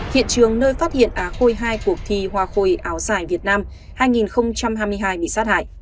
hiện trường nơi phát hiện á khôi hai cuộc thi hoa khôi áo dài việt nam hai nghìn hai mươi hai bị sát hại